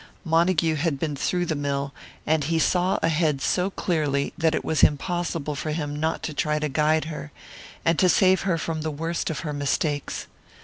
Montague had been through the mill, and he saw ahead so clearly that it was impossible for him not to try to guide her, and to save her from the worst of her mistakes.